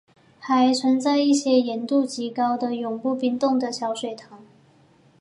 还存在一些盐度极高的永不冰冻的小水塘。